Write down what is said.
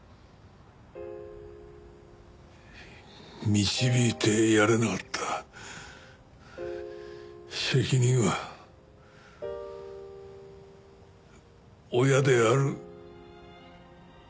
導いてやれなかった責任は親である私に。